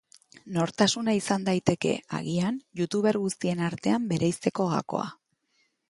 Nortasuna izan daiteke, agian, youtuber guztien artean bereizteko gakoa.